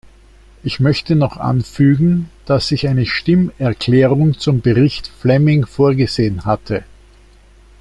Ich möchte noch anfügen, dass ich eine Stimmerklärung zum Bericht Flemming vorgesehen hatte.